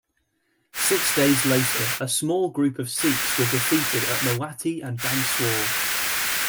Six days later, a small group of Sikhs were defeated at Mewati and Banswal.